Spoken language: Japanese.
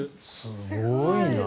すごいな。